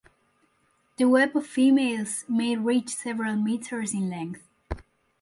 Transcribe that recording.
The web of females may reach several meters in length.